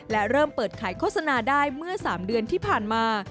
และเริ่มเปิดขายโฆษณาได้เมื่อ๓เดือนที่ผ่านมา